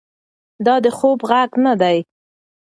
دا د خوب غږ نه دی.